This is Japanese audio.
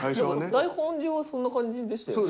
台本上はそんな感じでしたよね？